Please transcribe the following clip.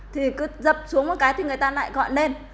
thì cứ dập xuống một cái thì người ta lại gọi lên